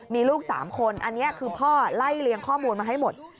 มีลูก๓คนอันนี้คือพ่อไล่เลี้ยงข้อมูลมาให้หมด